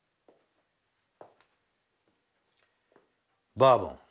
バーボン。